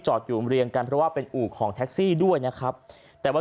จอดอยู่บริเวณการว่าเป็นอู่ของแท็กซี่ด้วยนะครับแต่ว่า